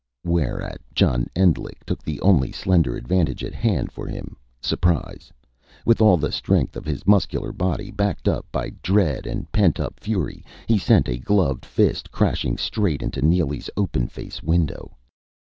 Whereat, John Endlich took the only slender advantage at hand for him surprise. With all the strength of his muscular body, backed up by dread and pent up fury, he sent a gloved fist crashing straight into Neely's open face window.